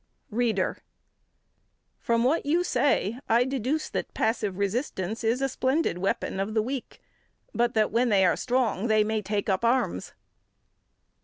READER: From what you say, I deduce that passive resistance is a splendid weapon of the weak but that, when they are strong, they may take up arms.